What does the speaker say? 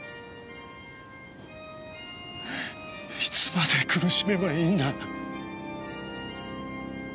いつまで苦しめばいいんだ。